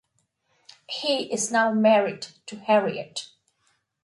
He is now married to Harriet.